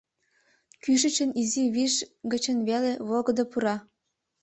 Кӱшычын, изи виш гычын веле, волгыдо пура.